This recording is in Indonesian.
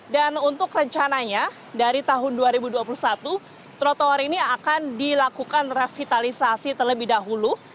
dan untuk rencananya dari tahun dua ribu dua puluh satu trotoar ini akan dilakukan revitalisasi terlebih dahulu